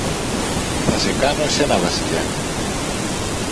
Θα σε κάνω εσένα Βασιλιά!